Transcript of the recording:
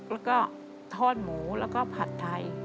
แล้วก็ทอดหมูแล้วก็ผัดไทย